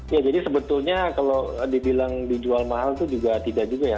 ya jadi sebetulnya kalau dibilang dijual mahal itu juga tidak juga ya